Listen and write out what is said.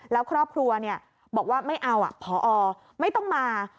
แล้วครอบครัวบอกว่าไม่เอาพอไม่ต้องมา